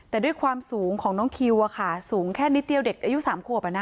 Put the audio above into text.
แต่ด้วยความสูงของน้องคิวอ่ะค่ะสูงแค่นิดเดียวเด็กอายุสามขวบอ่ะนะ